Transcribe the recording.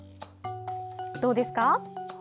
どうですか？